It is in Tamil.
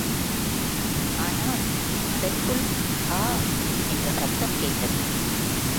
ஆனால், அதற்குள் ஹா! என்ற சத்தம் கேட்டது.